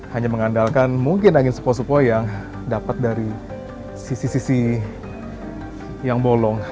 hanya mengandalkan mungkin angin sepo sepoi yang dapat dari sisi sisi yang bolong